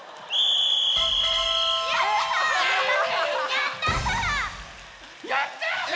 やった！